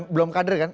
belum kader kan